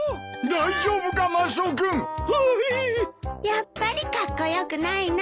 やっぱりカッコ良くないな。